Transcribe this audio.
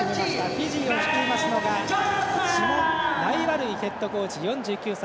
フィジーを率いますがシモン・ライワルイヘッドコーチ４９歳。